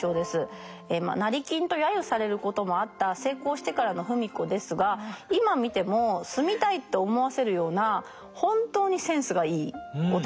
成金と揶揄されることもあった成功してからの芙美子ですが今見ても住みたいと思わせるような本当にセンスがいいお宅です。